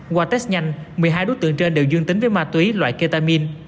qua test nhanh một mươi hai đối tượng trên đều dương tính với ma túy loại ketamin